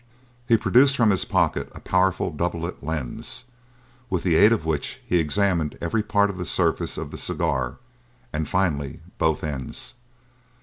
He produced from his pocket a powerful doublet lens, with the aid of which he examined every part of the surface of the cigar, and finally, both ends.